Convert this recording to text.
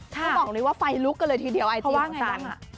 ต้องบอกเลยไฟลุ๊กเลยทีเดี๋ยวไอจีของซัน